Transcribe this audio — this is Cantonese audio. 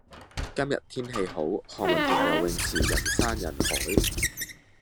今日天氣好，何文田游泳池人山人海。